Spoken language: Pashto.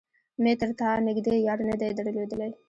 مې تر تا نږدې يار نه دی درلودلی.